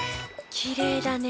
きれいだね。